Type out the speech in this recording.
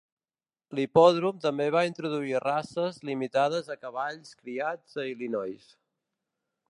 L'hipòdrom també va introduir races limitades a cavalls criats a Illinois.